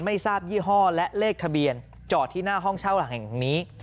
ไม่ทราบยี่ห้อและเลขทะเบียนจอดที่หน้าห้องเช่าหลังแห่งนี้